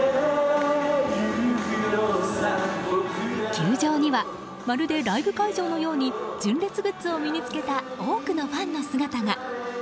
球場にはまるでライブ会場のように純烈グッズを身に着けた多くのファンの姿が。